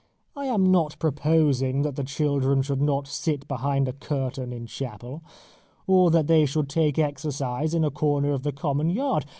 I am not proposing that the children should not sit behind a curtain in chapel, or that they should take exercise in a corner of the common yard.